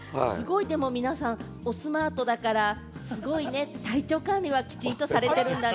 皆さん、おスマートだから、すごいね、体調管理はきちんとされてるんだね。